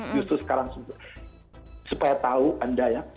justru sekarang supaya tahu anda ya